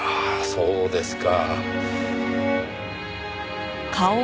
そうですか。